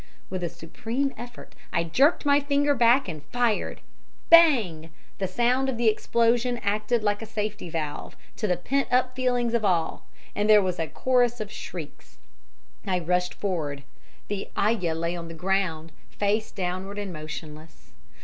With a supreme effort I jerked my finger back and fired. Bang! The sound of the explosion acted like a safety valve to the pent up feelings of all, and there was a chorus of shrieks. I rushed forward the ayah lay on the ground, face downward and motionless.